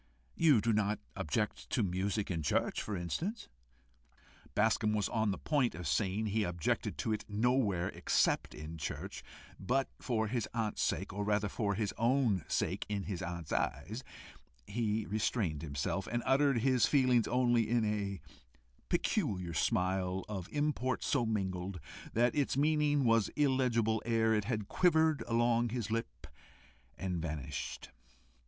You do not object to music in church, for instance?" Bascombe was on the point of saying he objected to it nowhere except in church, but for his aunt's sake, or rather for his own sake in his aunt's eyes, he restrained himself, and uttered his feelings only in a peculiar smile, of import so mingled, that its meaning was illegible ere it had quivered along his lip and vanished.